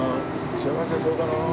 幸せそうだなあ。